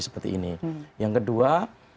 seperti ini yang kedua